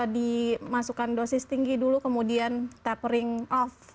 dimasukkan dosis tinggi dulu kemudian tapering off